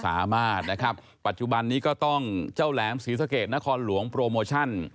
สามารถนะครับปัจจุบันนี้ก็ต้องเจ้าแหลมศรีสะเกดนครหลวงโปรโมชั่น